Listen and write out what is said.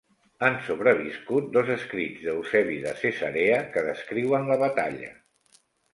Han sobreviscut dos escrits d'Eusebi de Cesarea que descriuen la batalla.